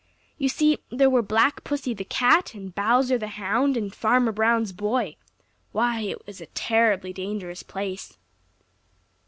You see, there were Black Pussy the Cat and Bowser the Hound and Farmer Brown's boy—why, it was a terribly dangerous place!